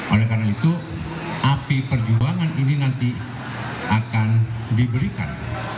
oleh karena itu api perjuangan ini nanti akan diberikan